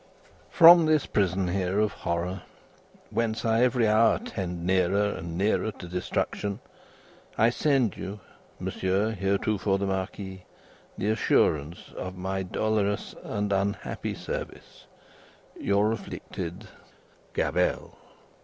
"From this prison here of horror, whence I every hour tend nearer and nearer to destruction, I send you, Monsieur heretofore the Marquis, the assurance of my dolorous and unhappy service. "Your afflicted, "Gabelle."